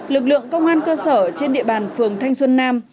lực lượng công an cơ sở trên địa bàn phường thanh xuân nam